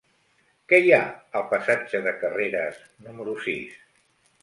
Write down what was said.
Què hi ha al passatge de Carreras número sis?